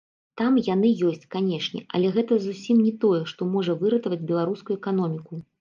Там яны ёсць, канешне, але гэта зусім не тое, што можа выратаваць беларускую эканоміку.